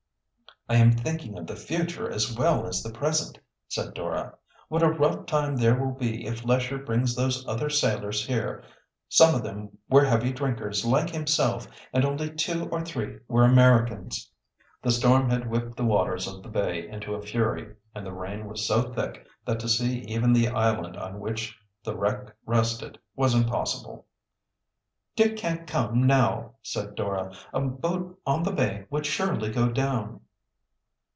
"I am thinking of the future as well as the present," said Dora. "What a rough time there will be if Lesher brings those other sailors here. Some of them were heavy drinkers like himself, and only two or three were Americans." The storm had whipped the waters of the bay into a fury, and the rain was so thick that to see even the island on which the wreck rested was impossible. "Dick can't come now," said Dora. "A boat on the bay would surely go down."